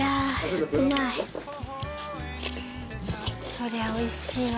そりゃ美味しいわ。